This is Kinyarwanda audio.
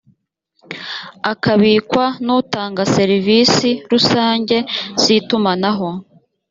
akabikwa n’utanga serivisi rusange z itumanaho